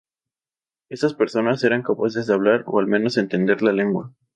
Estas personas eran capaces de hablar o al menos entender la lengua.